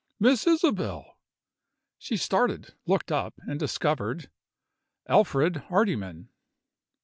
"Miss Isabel!" She started, looked up, and discovered Alfred Hardyman.